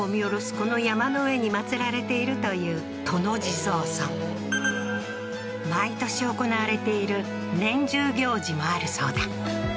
この山の上に祭られているという殿地蔵尊毎年行われている年中行事もあるそうだ